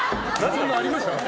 そんなのありました？